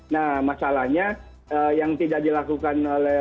nah masalahnya yang tidak dilakukan oleh kebocoran data